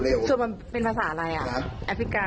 สวดมุ่นเป็นภาษาอะไรภาษาอฟริกา